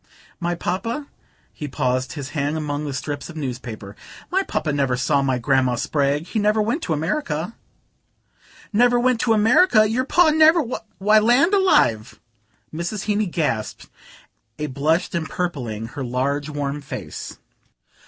"My Papa?" He paused, his hand among the strips of newspaper. "My Papa never saw my Grandma Spragg. He never went to America." "Never went to America? Your Pa never ? Why, land alive!" Mrs. Heeny gasped, a blush empurpling her large warm face.